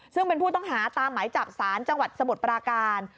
ซึ่งเป็นผู้ต้องหาตามหมายจับสารจังหวัดสมุทรปราการ